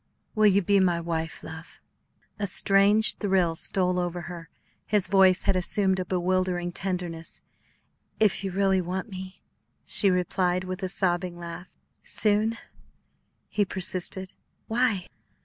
Will you be my wife, love?" A strange thrill stole over her; his voice had assumed a bewildering tenderness. "If you really want me," she replied, with a sobbing laugh. "Soon?" he persisted. "Why?"